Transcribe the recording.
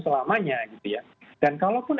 selamanya dan kalaupun